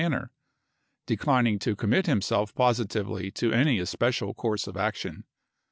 ii ofathe manner? declining to commit himself positively to federate any especial course of action.